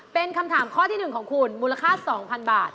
เป็นคำถามข้อที่๑ของคุณมูลค่า๒๐๐๐บาท